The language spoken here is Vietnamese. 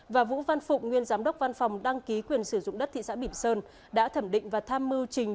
và vũ văn phụng nguyên giám đốc văn phòng đăng ký quyền sử dụng đất thị xã bỉm sơn đã thẩm định và tham mưu trình